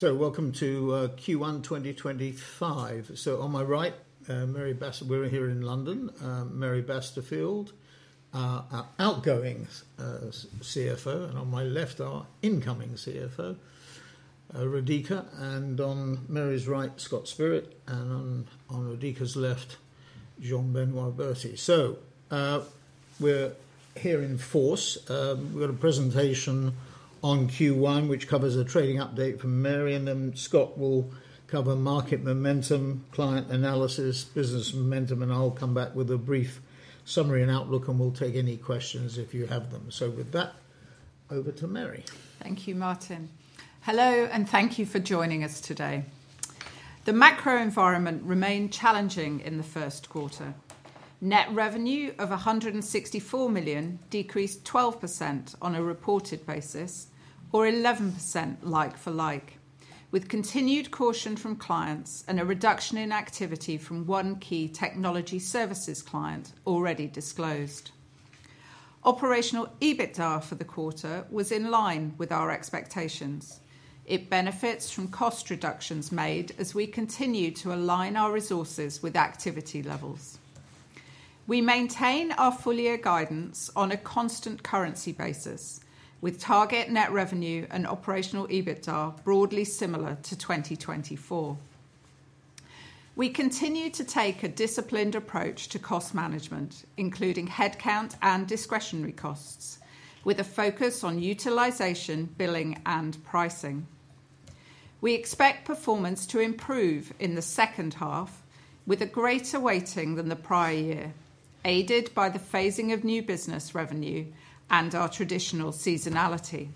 So, welcome to Q1 2025. On my right, Mary Basterfield—we're here in London—Mary Basterfield, our outgoing CFO, and on my left our incoming CFO, Radhika Rashakrishan, and on Mary's Basterfield right, Scott Spirit, and on Radhika's Rashakrishan left, Jean-Benoit Berty. We're here in force. We've got a presentation on Q1, which covers a trading update from Mary Basterfield, and then Scott Spirit will cover market momentum, client analysis, business momentum, and I'll come back with a brief summary and outlook, and we'll take any questions if you have them. With that, over to Mary Basterfield. Thank you, Martin Sorrell. Hello, and thank you for joining us today. The macro environment remained challenging in the first quarter. Net revenue of 164 million decreased 12% on a reported basis, or 11% like-for-like, with continued caution from clients and a reduction in activity from one key technology services client already disclosed. Operational EBITDA for the quarter was in line with our expectations. It benefits from cost reductions made as we continue to align our resources with activity levels. We maintain our full-year guidance on a constant currency basis, with target net revenue and operational EBITDA broadly similar to 2024. We continue to take a disciplined approach to cost management, including headcount and discretionary costs, with a focus on utilization, billing, and pricing. We expect performance to improve in the second-half, with a greater weighting than the prior year, aided by the phasing of new business revenue and our traditional seasonality.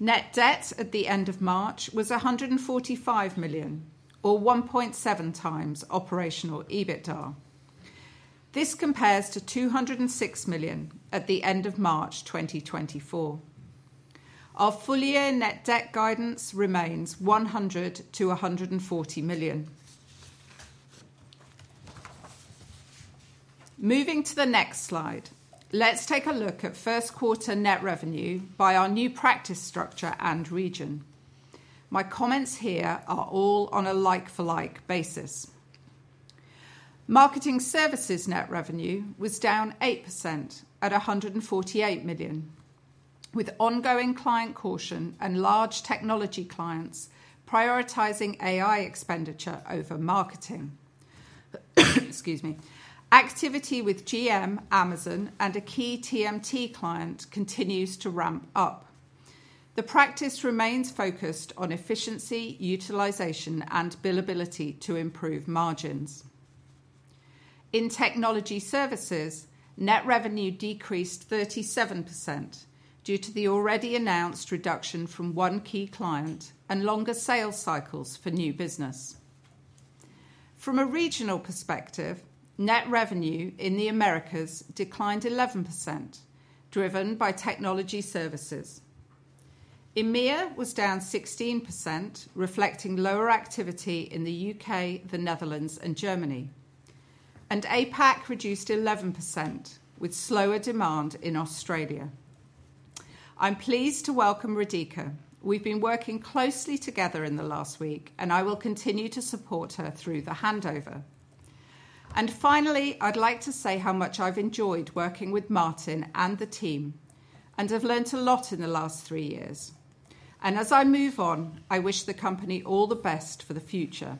Net debt at the end of March was 145 million, or 1.7x operational EBITDA. This compares to 206 million at the end of March 2024. Our full-year net debt guidance remains 100 million- 140 million. Moving to the next slide, let's take a look at Q1 net revenue by our new practice structure and region. My comments here are all on a like-for-like basis. Marketing services net revenue was down 8% at 148 million, with ongoing client caution and large technology clients prioritizing AI expenditure over marketing. Excuse me. Activity with GM, Amazon, and a key TMT client continues to ramp-up. The practice remains focused on efficiency, utilization, and billability to improve margins. In technology services, net revenue decreased 37% due to the already announced reduction from one key client and longer sales cycles for new business. From a regional perspective, net revenue in the Americas declined 11%, driven by technology services. EMEA was down 16%, reflecting lower activity in the U.K., the Netherlands, and Germany. APAC reduced 11%, with slower demand in Australia. I'm pleased to welcome Radhika Radhakrishan. We've been working closely together in the last week, and I will continue to support her through the handover. I would like to say how much I've enjoyed working with Martin Sorrell and the team, and I've learned a lot in the last three years. As I move on, I wish the company all the best for the future.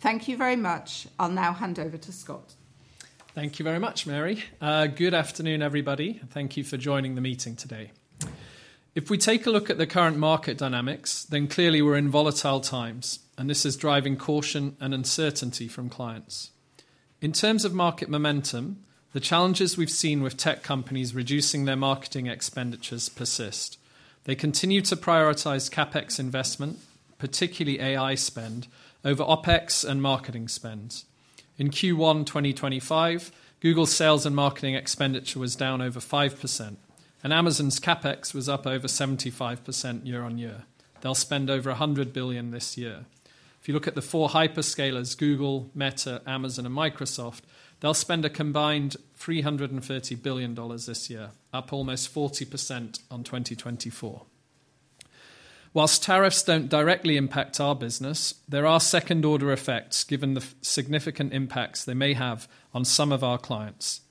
Thank you very much. I'll now hand over to Scott Spirit. Thank you very much, Mary Basterfield. Good afternoon, everybody. Thank you for joining the meeting today. If we take a look at the current market dynamics, then clearly we are in volatile times, and this is driving caution and uncertainty from clients. In terms of market momentum, the challenges we have seen with tech companies reducing their marketing expenditures persist. They continue to prioritize CapEx investment, particularly AI spend, over OpEx and marketing spend. In Q1 2025, Google's sales and marketing expenditure was down over 5%, and Amazon's CapEx was up over 75% year-on-year. They will spend over 100 billion this year. If you look at the four hyperscalers, Google, Meta, Amazon, and Microsoft, they will spend a combined $330 billion this year, up almost 40% on 2024. Whilst tariffs do not directly impact our business, there are second-order effects given the significant impacts they may have on some of our clients.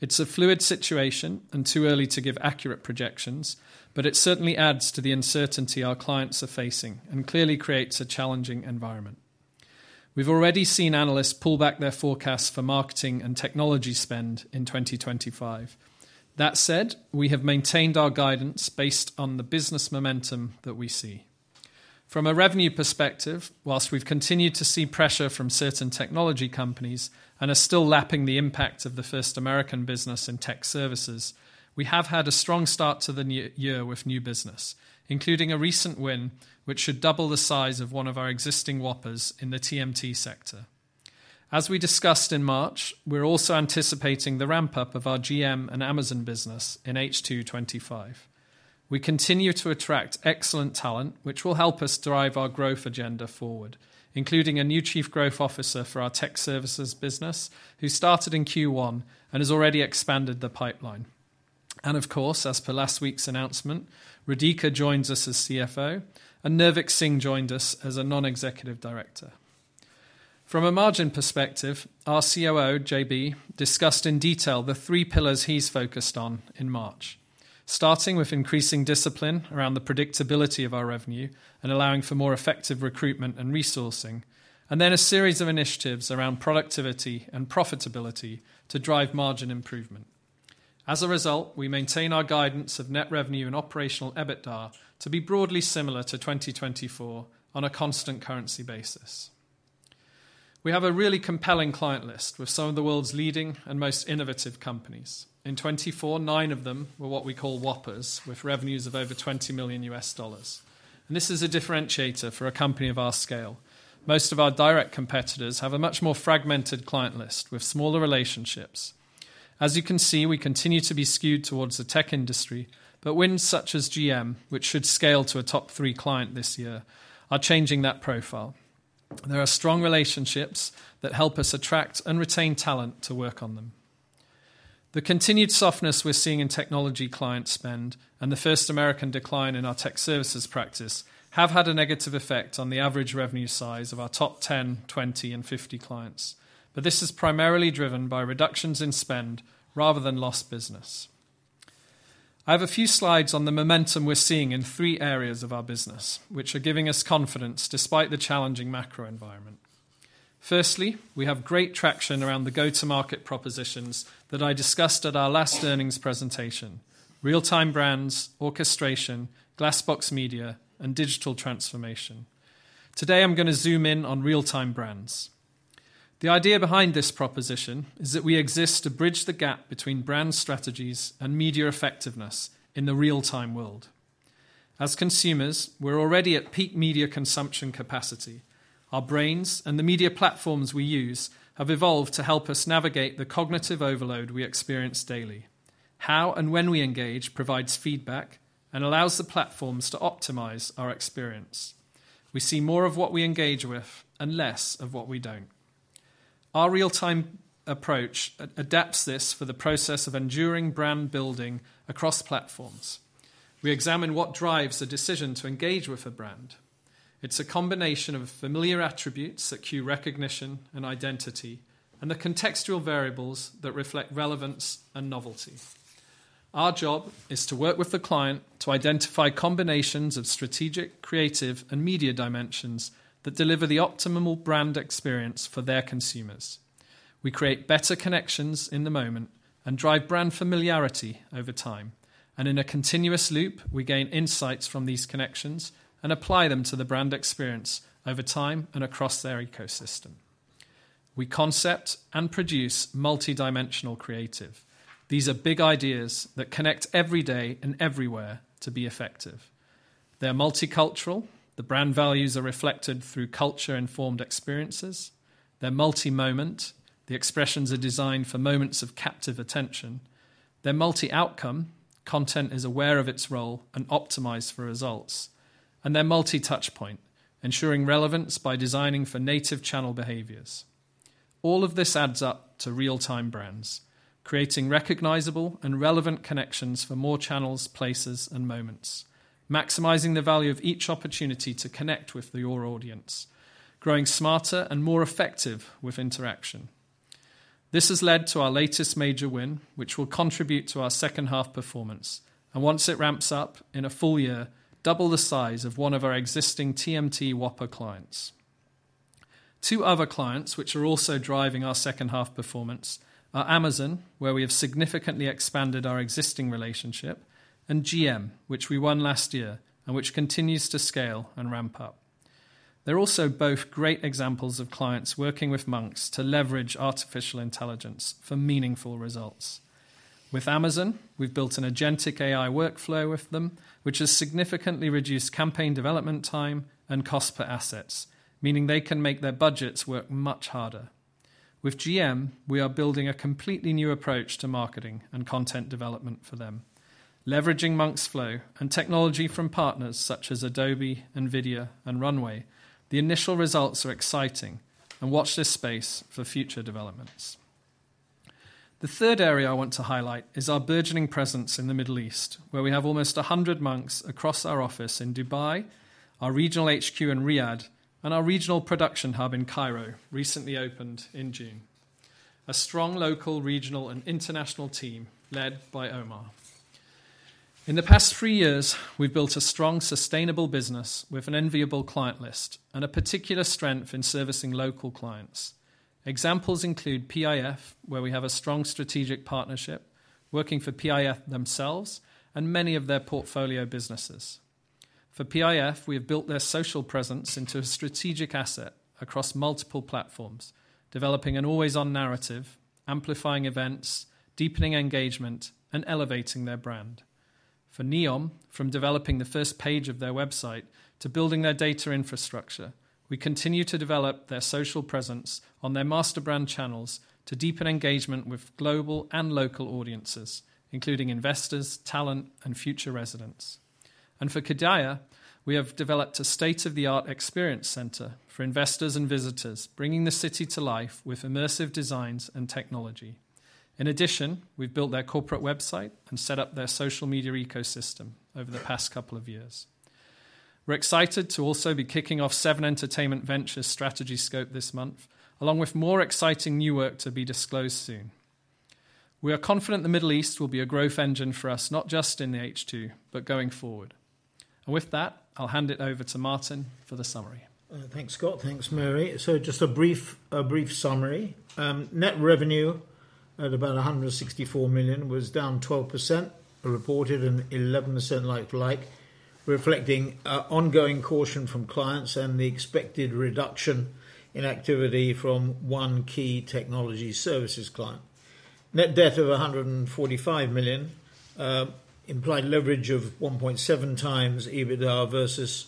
It's a fluid situation and too early to give accurate projections, but it certainly adds to the uncertainty our clients are facing and clearly creates a challenging environment. We've already seen analysts pull back their forecasts for marketing and technology spend in 2025. That said, we have maintained our guidance based on the business momentum that we see. From a revenue perspective, whilst we've continued to see pressure from certain technology companies and are still lapping the impact of the First American business in technology services, we have had a strong start to the year with new business, including a recent win which should double the size of one of our existing Whoppers in the TMT sector. As we discussed in March, we're also anticipating the ramp-up of our GM and Amazon business in H2 2025. We continue to attract excellent talent, which will help us drive our growth agenda forward, including a new Chief Growth Officer for our tech services business who started in Q1 and has already expanded the pipeline. Of course, as per last week's announcement, Radhika Radhakrishan joins us as CFO, and Nirvik Singh joined us as a non-executive director. From a margin perspective, our COO, Jean-Benoit Berty, discussed in detail the three pillars he's focused on in March, starting with increasing discipline around the predictability of our revenue and allowing for more effective recruitment and resourcing, and then a series of initiatives around productivity and profitability to drive margin improvement. As a result, we maintain our guidance of net revenue and operational EBITDA to be broadly similar to 2024 on a constant currency basis. We have a really compelling client list with some of the world's leading and most innovative companies. In 2024, nine of them were what we call Whoppers, with revenues of over $20 million. This is a differentiator for a company of our scale. Most of our direct competitors have a much more fragmented client list with smaller relationships. As you can see, we continue to be skewed towards the tech industry, but wins such as GM, which should scale to a top three client this year, are changing that profile. There are strong relationships that help us attract and retain talent to work on them. The continued softness we are seeing in technology client spend and the First American decline in our tech services practice have had a negative effect on the average revenue size of our top 10, 20, and 50 clients, but this is primarily driven by reductions in spend rather than lost business. I have a few slides on the momentum we're seeing in three areas of our business, which are giving us confidence despite the challenging macro environment. Firstly, we have great traction around the go-to-market propositions that I discussed at our last earnings presentation: Real-Time Brands, Orchestration, Glassbox Media, and Digital Transformation. Today, I'm going to zoom in on Real-Time-Brands. The idea behind this proposition is that we exist to bridge the gap between brand strategies and media effectiveness in the real-time world. As consumers, we're already at peak media consumption capacity. Our brains and the media platforms we use have evolved to help us navigate the cognitive overload we experience daily. How and when we engage provides feedback and allows the platforms to optimize our experience. We see more of what we engage with and less of what we don't. Our real-time approach adapts this for the process of enduring brand building across platforms. We examine what drives a decision to engage with a brand. It's a combination of familiar attributes that cue recognition and identity, and the contextual variables that reflect relevance and novelty. Our job is to work with the client to identify combinations of strategic, creative, and media dimensions that deliver the optimal brand experience for their consumers. We create better connections in the moment and drive brand familiarity over time. In a continuous loop, we gain insights from these connections and apply them to the brand experience over time and across their ecosystem. We concept and produce multi-dimensional creative. These are big ideas that connect every day and everywhere to be effective. They're multicultural. The brand values are reflected through culture-informed experiences. They're multi-moment. The expressions are designed for moments of captive attention. They're multi-outcome. Content is aware of its role and optimized for results. They are multi-touchpoint, ensuring relevance by designing for native channel behaviors. All of this adds up to real-time brands, creating recognizable and relevant connections for more channels, places, and moments, maximizing the value of each opportunity to connect with your audience, growing smarter and more effective with interaction. This has led to our latest major win, which will contribute to our second-half performance. Once it ramps up in a full year, double the size of one of our existing TMT Whopper clients. Two other clients which are also driving our second-half performance are Amazon, where we have significantly expanded our existing relationship, and GM, which we won last year and which continues to scale and ramp-up. They are also both great examples of clients working with Monks to leverage artificial intelligence for meaningful results. With Amazon, we've built an agentic AI workflow with them, which has significantly reduced campaign development time and cost per assets, meaning they can make their budgets work much harder. With GM, we are building a completely new approach to marketing and content development for them. Leveraging Monk's Flow and technology from partners such as Adobe, Nvidia, and Runway, the initial results are exciting, and watch this space for future developments. The third area I want to highlight is our burgeoning presence in the Middle East, where we have almost 100 Monks across our office in Dubai, our regional HQ in Riyadh, and our regional production hub in Cairo, recently opened in June. A strong local, regional, and international team led by Omar. In the past three years, we've built a strong, sustainable business with an enviable client list and a particular strength in servicing local clients. Examples include PIF, where we have a strong strategic partnership working for PIF themselves and many of their portfolio businesses. For PIF, we have built their social presence into a strategic asset across multiple platforms, developing an always-on narrative, amplifying events, deepening engagement, and elevating their brand. For NEOM, from developing the first page of their website to building their data infrastructure, we continue to develop their social presence on their master brand channels to deepen engagement with global and local audiences, including investors, talent, and future residents. For Qiddiya, we have developed a state-of-the-art experience center for investors and visitors, bringing the city to life with immersive designs and technology. In addition, we have built their corporate website and set up their social media ecosystem over the past couple of years. We're excited to also be kicking off Seven Entertainment Ventures' strategy scope this month, along with more exciting new work to be disclosed soon. We are confident the Middle East will be a growth engine for us, not just in the H2, but going forward. With that, I'll hand it over to Martin Sorrell for the summary. Thanks, Scott Spirit. Thanks, Mary Basterfield. Just a brief summary. Net revenue at about 164 million was down 12%, reported an 11% like-for-like, reflecting ongoing caution from clients and the expected reduction in activity from one key technology services client. Net debt of 145 million implied leverage of 1.7x EBITDA versus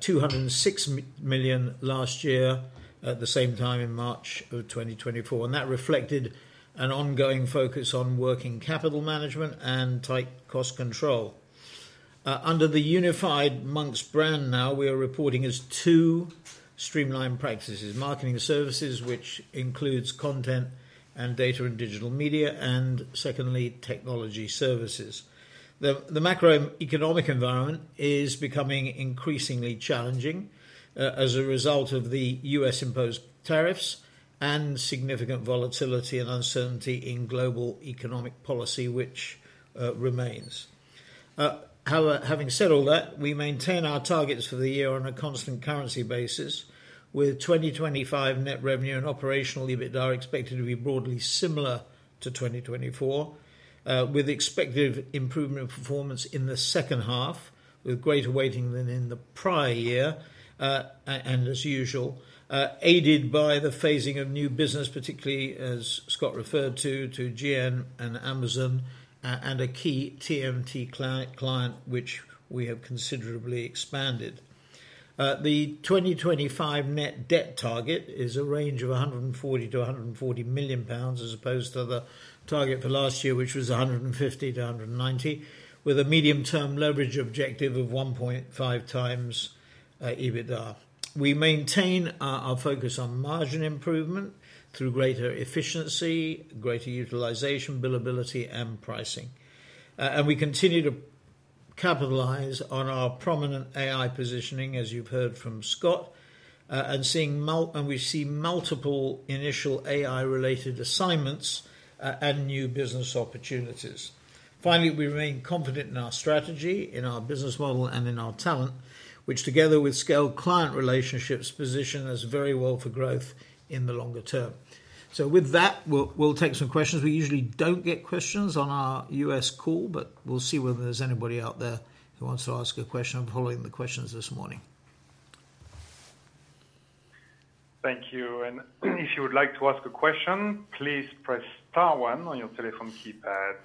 206 million last year at the same time in March of 2024. That reflected an ongoing focus on working capital management and tight cost control. Under the unified Monks brand now, we are reporting as two streamlined practices: marketing services, which includes content and Data & Digital Media, and secondly, technology services. The macroeconomic environment is becoming increasingly challenging as a result of the U.S.-imposed tariffs and significant volatility and uncertainty in global economic policy, which remains. Having said all that, we maintain our targets for the year on a constant currency basis, with 2025 net revenue and operational EBITDA expected to be broadly similar to 2024, with expected improvement of performance in the second half, with greater weighting than in the prior year, and as usual, aided by the phasing of new business, particularly, as Scott Spirit referred to, to GM and Amazon and a key TMT client, which we have considerably expanded. The 2025 net debt target is a range of 140 million-140 million pounds as opposed to the target for last year, which was 150 million-190 million, with a medium-term leverage objective of 1.5x EBITDA. We maintain our focus on margin improvement through greater efficiency, greater utilisation, billability, and pricing. We continue to capitalize on our prominent AI positioning, as you've heard from Scott Spirit, and we see multiple initial AI-related assignments and new business opportunities. Finally, we remain confident in our strategy, in our business model, and in our talent, which, together with scaled client relationships, position us very well for growth in the longer term. With that, we'll take some questions. We usually do not get questions on our U.S. call, but we'll see whether there's anybody out there who wants to ask a question. I'm following the questions this morning. Thank you. If you would like to ask a question, please press Star one on your telephone keypad.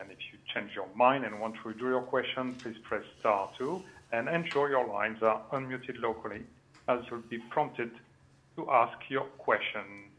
If you change your mind and want to withdraw your question, please press Star two. Ensure your lines are unmuted locally, as you will be prompted to ask your question.